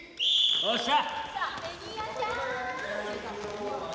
よっしゃ！